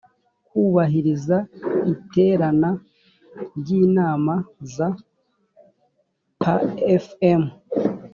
kubahiriza iterana ry inama za pfm